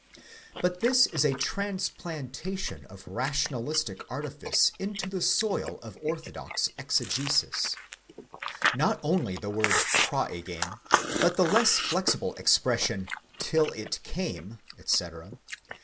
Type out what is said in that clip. '4 But this isa transplantation of rationalistic artifice into the soil of orthodox exegesis. Not only the word προῆγεν, but the less flexible expression ἕως ἐλθὼν x. τ. A. (4// it came, etc.)